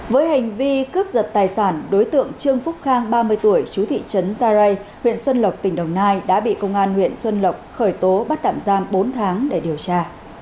với hành vi cướp giật tài sản đối tượng trương phúc khang ba mươi tuổi chú thị trấn ta rây huyện xuân lộc tỉnh đồng nai đã bị công an huyện xuân lộc khởi tố bắt tạm giam bốn tháng để điều tra